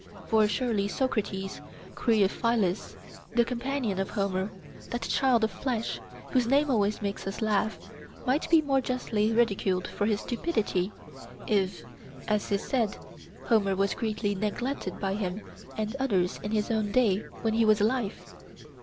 For surely, Socrates, Creophylus, the companion of Homer, that child of flesh, whose name always makes us laugh, might be more justly ridiculed for his stupidity, if, as is said, Homer was greatly neglected by him and others in his own day when he was alive?